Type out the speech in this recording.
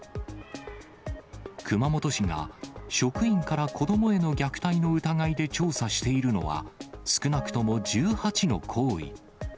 熊本市が、職員から子どもへの虐待の疑いで調査しているのは、少なくとも１８の行為。